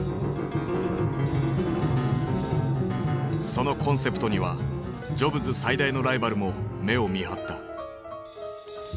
そのコンセプトにはジョブズ最大のライバルも目をみはった。